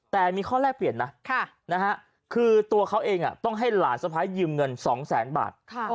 แต่มีข้อแลกเปลี่ยนนะคือตัวเขาเองต้องให้หลานสะพ้ายยืมเงิน๒แสนบาท